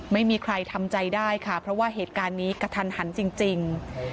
ไม่มีใครทำใจได้ค่ะเพราะว่าเหตุการณ์นี้กระทันหันจริง